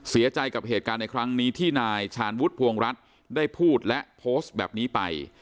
เสียใจกับเหตุการณ์ในครั้งนี้ที่นายชาญวุฒิภวงรัฐได้พูดและโพสต์แบบนี้ไป